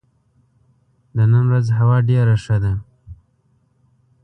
د نن ورځ هوا ډېره ښه ده.